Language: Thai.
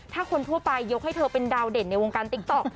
ถ้าคนทั่วไปยกให้เธอเป็นดาวเด่นในวงการติ๊กต๊อก